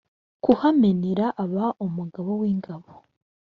kuhamenera aba umugaba w ingabo